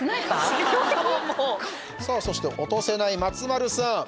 そして、落とせない松丸さん。